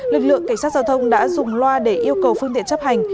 lực lượng cảnh sát giao thông đã dùng loa để yêu cầu phương tiện chấp hành